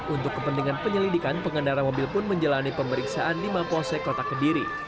untuk kepentingan penyelidikan pengendara mobil pun menjalani pemeriksaan di mampose kota kediri